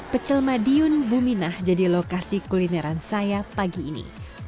pecel madiun buminah jadi lokasi kulineran saya pagi ini